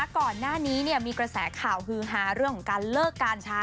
ก่อนหน้านี้มีกระแสข่าวฮือฮาเรื่องของการเลิกการช้า